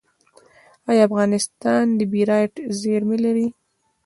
آیا افغانستان د بیرایت زیرمې لري؟